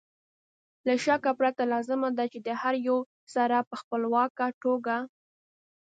له شک پرته لازمه ده چې د هر یو سره په خپلواکه توګه